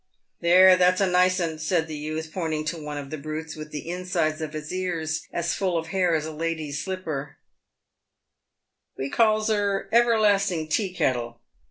" There, that's a nice 'un," said the youth, pointing to one of the brutes with the insides of its ears as full of hair as a lady's slipper; " we calls her Everlasting Teakettle.